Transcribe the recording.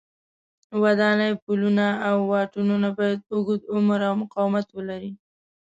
ودانۍ، پلونه او واټونه باید اوږد عمر او مقاومت ولري.